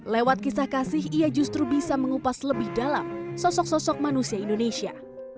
lewat kisah kasih ia justru bisa mengupas lebih dalam sosok sosok manusia indonesia